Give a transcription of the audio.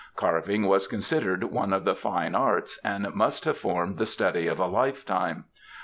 Carving was considered one of the fine arts, and must have formed the study of a lifetime.